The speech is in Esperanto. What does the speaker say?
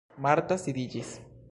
Marta sidiĝis.